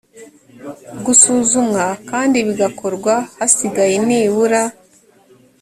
gusuzumwa kandi bigakorwa hasigaye nibura